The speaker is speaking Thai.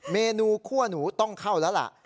เมนูคั่วหนูต้องเข้าแล้วล่ะ